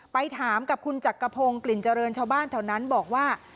ไปถามกับคุณจักรพงศ์กลิ่นเจริญชาวบ้านแถวนั้นบอกว่า